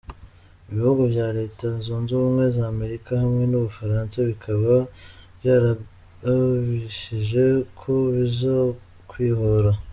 Ibihugu vya Leta Zunze Ubumwe za Amerika hamwe n'Ubufaransa bikaba vyaragabishije ko bizokwihora.